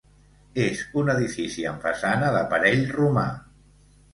És un edifici amb façana d'aparell romà.